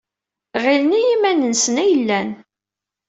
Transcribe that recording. Ɣilen i yiman-nsen ay llan.